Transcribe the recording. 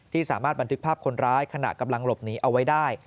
สามารถบันทึกภาพคนร้ายขณะกำลังหลบหนีเอาไว้ได้